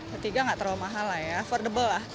ketiga nggak terlalu mahal lah ya affordable lah